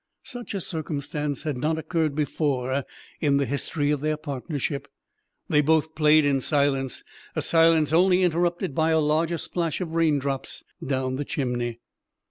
Such a circumstance had not occurred before in the history of their partnership. They both played in silence a silence only interrupted by a larger splash of raindrops down the chimney.